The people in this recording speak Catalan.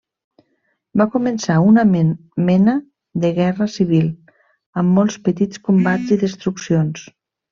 Va començar una mena de guerra civil amb molts petits combats i destruccions.